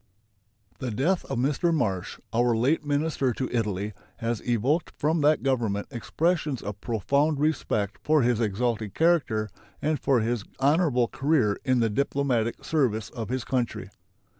The death of Mr. Marsh, our late minister to Italy, has evoked from that Government expressions of profound respect for his exalted character and for his honorable career in the diplomatic service of his country.